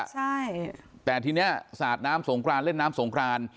ใช่แต่ทีนี้สาดน้ำสงกรานเล่นน้ำสงคราน